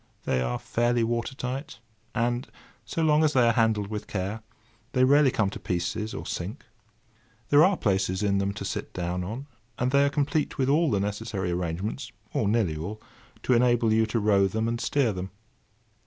They are fairly water tight; and so long as they are handled with care, they rarely come to pieces, or sink. There are places in them to sit down on, and they are complete with all the necessary arrangements—or nearly all—to enable you to row them and steer them.